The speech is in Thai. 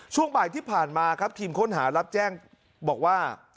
ช่วงบ่ายที่ผ่านมาครับทีมค้นหารับแจ้งบอกว่า